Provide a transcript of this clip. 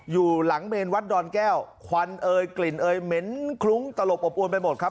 อยู่หลังเมนวัดดอนแก้วควันเอยกลิ่นเอยเหม็นคลุ้งตลบอบอวนไปหมดครับ